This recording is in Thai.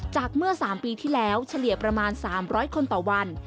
เมื่อ๓ปีที่แล้วเฉลี่ยประมาณ๓๐๐คนต่อวัน